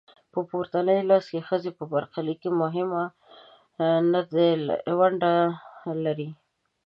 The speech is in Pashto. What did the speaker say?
په پورتني لوست کې ښځې په برخلیک کې مهمه نډه لري.